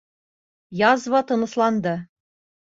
Язва тынысланды.